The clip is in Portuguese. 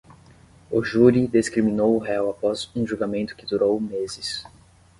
O júri descriminou o réu após um julgamento que durou meses.